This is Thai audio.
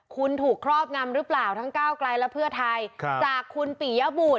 คุณถูกครอบงำหรือเปล่าทั้งก้าวไกลและเพื่อไทยจากคุณปิยบุตร